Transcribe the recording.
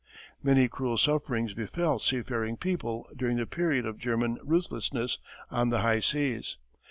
Many cruel sufferings befell seafaring people during the period of German ruthlessness on the high seas.